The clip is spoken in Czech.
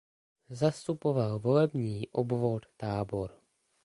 Zastupoval volební obvod Tábor.